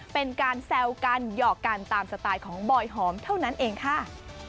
เป็นการแซวกันหยอกกันตามสไตล์ของบอยหอมเท่านั้นเองค่ะ